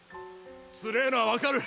つれぇのはわかる！